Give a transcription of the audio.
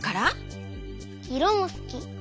いろもすき。